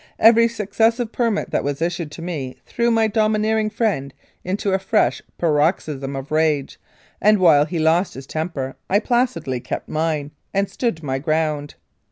Every successive permit that was issued to me threw my domineering friend into a fresh paroxysm of rage, and while he lost his temper I placidly kept mine, and stood my ground.